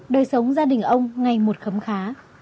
đời sống gia đình ông ngay một khấm khá